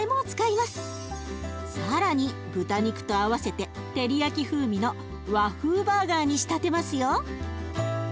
更に豚肉と合わせて照り焼き風味の和風バーガーに仕立てますよ。